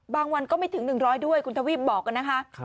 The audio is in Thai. บางวันก็ไม่ถึง๑๐๐บาทด้วยคุณทวีฟบอกนะคะ